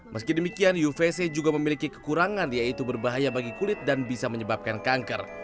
meski demikian uvc juga memiliki kekurangan yaitu berbahaya bagi kulit dan bisa menyebabkan kanker